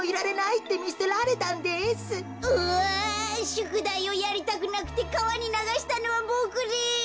しゅくだいをやりたくなくてかわにながしたのはボクです。